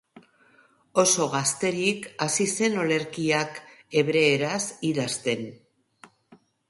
Oso gazterik hasi zen olerkiak hebreeraz idazten.